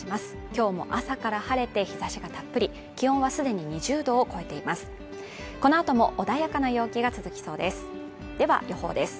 今日も朝から晴れて日差しがたっぷり気温はすでに２０度を超えています